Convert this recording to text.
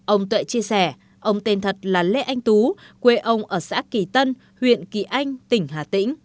ông tuệ chia sẻ ông tên thật là lê anh tú quê ông ở xã kỳ tân huyện kỳ anh tỉnh hà tĩnh